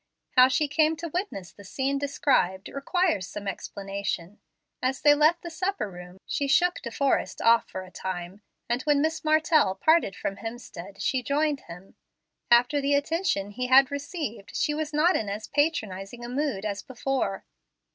How she came to witness the scene described requires some explanation. As they left the supper room, she shook De Forrest off for a time, and when Miss Martell parted from Hemstead, she joined him. After the attention he had received, she was not in as patronizing a mood as before.